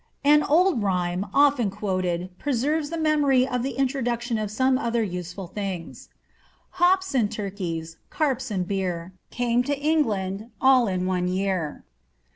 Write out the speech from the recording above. An old rhyme, ofiten quoted, preserves the memory of the introduction ti some other useful things :—^Hops and turkeyt, carps and beer, Caine to England all in one jrear."